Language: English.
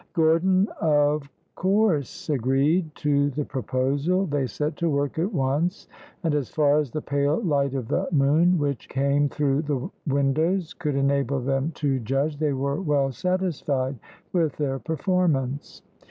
Gordon, of course, agreed to the proposal. They set to work at once and as far as the pale light of the moon, which came through tie windows, could enable them to judge, they were well satisfied with their performance.